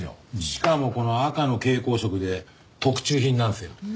しかもこの赤の蛍光色で特注品なんですよ。